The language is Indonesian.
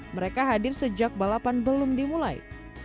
mereka hadir sejak balapan belum dimulai